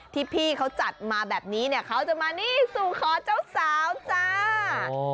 ที่พี่เขาจัดมาแบบนี้เนี่ยเขาจะมานี่สู่ขอเจ้าสาวจ้า